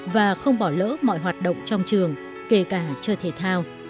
và không bỏ lỡ mọi hoạt động trong trường kể cả chơi thể thao